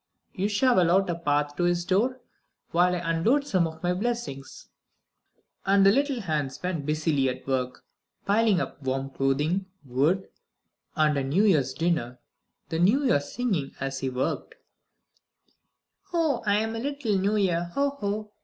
You shovel out a path to his door, while I unload some of my blessings; and the little hands went busily at work, piling up warm clothing, wood, and a new year's dinner, the New Year singing as he worked: "Oh, I am the little New Year; ho! ho!